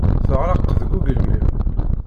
Teɣreq deg ugelmim.